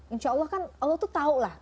insya allah kan allah tuh tahu lah